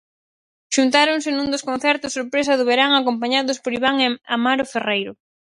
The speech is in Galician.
Xuntáronse nun dos concertos sorpresa do verán acompañados por Iván e Amaro Ferreiro.